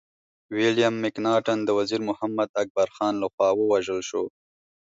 ويليم مکناټن د وزير محمد اکبر خان لخوا ووژل شو.